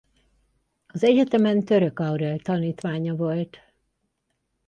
Az egyetemen Török Aurél tanítványa volt.